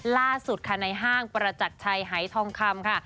ล่าสุดค่ะในห้างประจักรชัยหายทองคำค่ะ